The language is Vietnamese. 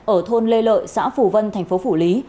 ở thôn lê lợi xã phủ vân tp phủ lý